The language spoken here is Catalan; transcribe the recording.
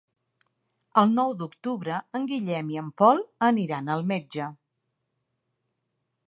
El nou d'octubre en Guillem i en Pol aniran al metge.